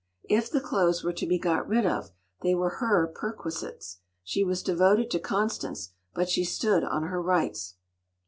If the clothes were to be got rid of, they were her perquisites. She was devoted to Constance, but she stood on her rights.